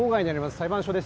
裁判所です。